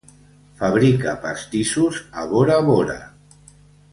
Fabrica pastissos a Bora Bora.